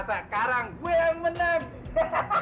sekarang gue yang menang